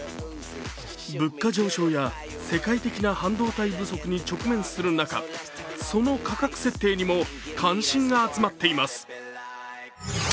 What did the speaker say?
物価上昇や世界的な半導体不足に直面する中その価格設定にも関心が集まっています。